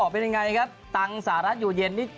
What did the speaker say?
เป็นยังไงครับตังค์สหรัฐอยู่เย็นนี่